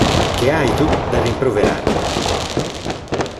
Che hai tu da rimproverarmi?